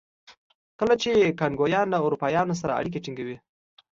کله چې کانګویان له اروپایانو سره اړیکې ټینګوي.